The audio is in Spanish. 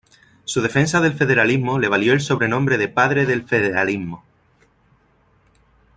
Su defensa del federalismo le valió el sobrenombre de "Padre del Federalismo".